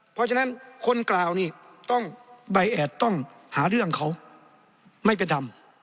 เพราะฉะนั้นคนกล่าวนี่ต้องใบแอดต้องหาเรื่องเขาไม่เป็นธรรม